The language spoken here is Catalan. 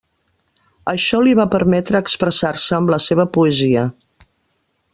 Això li va permetre expressar-se amb la seva poesia.